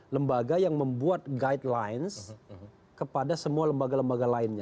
lembaga yang membuat guidelines kepada semua lembaga lembaga lainnya